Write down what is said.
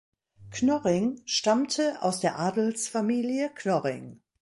Knorring stammte aus der Adelsfamilie Knorring.